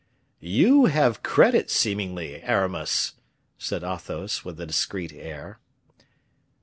"You have credit, seemingly, Aramis!" said Athos, with a discreet air.